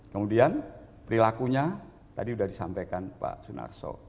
kemudian perilakunya tadi sudah disampaikan pak sunarso